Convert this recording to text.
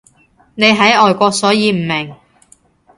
你喺外國所以唔明